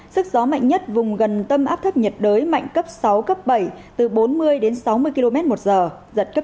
sức gió mạnh nhất vùng gần tâm áp thấp nhiệt đới mạnh cấp sáu cấp bảy từ bốn mươi đến sáu mươi km một giờ giật cấp chín